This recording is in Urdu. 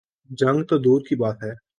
جنگ تو دور کی بات ہے۔